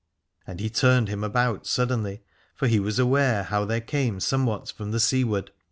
And he turned him about suddenly, for he was aware how there came somewhat from the seaward.